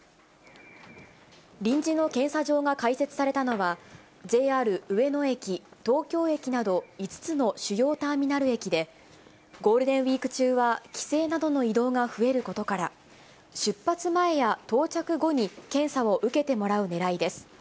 臨時の検査場が開設されたのは、ＪＲ上野駅、東京駅など、５つの主要ターミナル駅で、ゴールデンウィーク中は帰省などの移動が増えることから、出発前や到着後に、検査を受けてもらうねらいです。